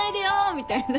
みたいな。